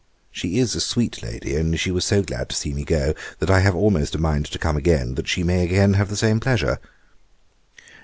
She is a sweet lady, only she was so glad to see me go, that I have almost a mind to come again, that she may again have the same pleasure.